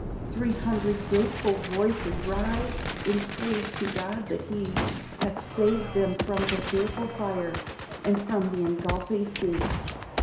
Three hundred grateful voice rise In praise to God that he Hath saved them from the fearful fire, And from the engulphing sea.